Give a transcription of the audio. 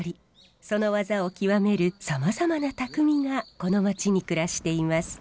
その技を極めるさまざまな匠がこの町に暮らしています。